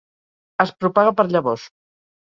Es propaga per llavors.